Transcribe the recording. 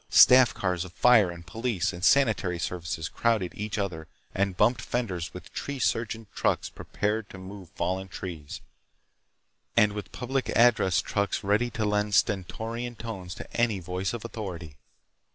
Staff cars of fire and police and sanitary services crowded each other and bumped fenders with tree surgeon trucks prepared to move fallen trees, and with public address trucks ready to lend stentorian tones to any voice of authority.